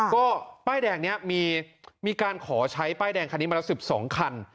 ก็ป้ายแดงนี้มีการขอใช้ป้ายแดงคันนี้มาแล้ว๑๒คัน